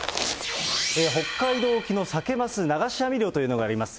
北海道沖のサケ・マス流し網漁というのがあります。